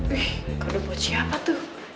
wih kado buat siapa tuh